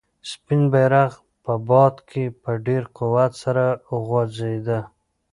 سپین بیرغ په باد کې په ډېر قوت سره غوځېده.